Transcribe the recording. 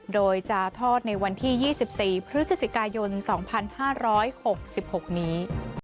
โดยจะทอดในวันที่๒๔พฤศจิกายน๒๕๖๖นี้